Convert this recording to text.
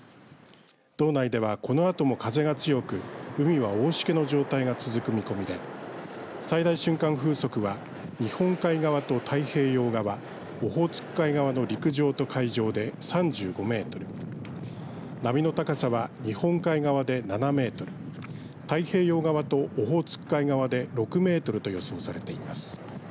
道内ではこのあとも風が強く海は大しけの状態が続く見込みで最大瞬間風速は日本海側と太平洋側オホーツク海側の陸上と海上で３５メートル波の高さは日本海側で７メートル太平洋側とオホーツク海側で６メートルと予想されています。